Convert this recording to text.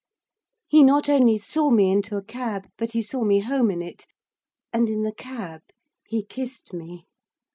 He not only saw me into a cab, but he saw me home in it. And in the cab he kissed me.